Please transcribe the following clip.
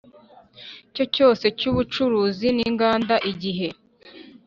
cyo cyose cy ubucuruzi n inganda igihe